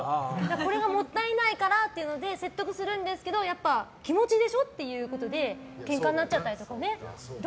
これがもったいないからと説得するんですけど気持ちでしょっていうことでけんかになっちゃったりとかね。